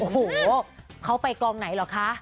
โอ้โหเขาไปกองไหนเหรอคะ